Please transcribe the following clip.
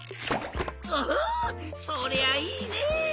おおそりゃいいね！